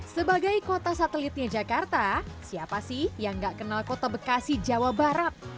sebagai kota satelitnya jakarta siapa sih yang gak kenal kota bekasi jawa barat